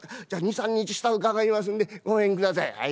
じゃ２３日したら伺いますんでごめんください」。